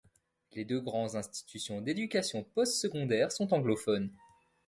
Les deux grands institutions d’éducation postsecondaire sont anglophones.